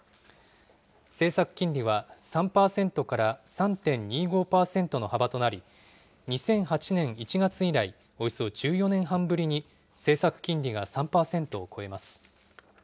政策金利は３％から３．２５％の幅となり、２００８年１月以来、およそ１４年半ぶりに政策金利が３％を超えます。